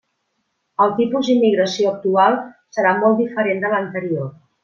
El tipus d'immigració actual serà molt diferent de l'anterior.